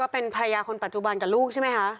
เป็นภรรยาคนปัจจุบันกับลูกใช่ไหมคะ